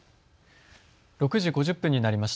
６時５０分になりました。